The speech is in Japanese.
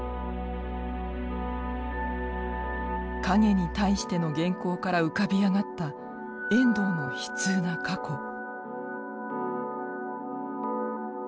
「影に対して」の原稿から浮かび上がった遠藤の悲痛な過去。